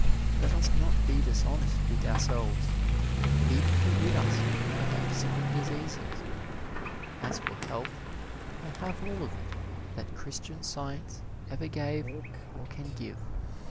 Let us not be dishonest with ourselves, even to rid us of our physical diseases. As for health, I have all of it that Christian Science ever gave or can give.